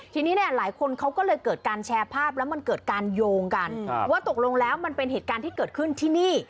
ทีนี้เนี่ยหลายคนเขาก็เลยเกิดการแชร์ภาพแล้วมันเกิดการโยงกันว่าตกลงแล้วมันเป็นเหตุการณ์ที่เกิดขึ้นที่นี่